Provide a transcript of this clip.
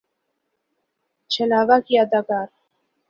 چھلاوہ کی اداکار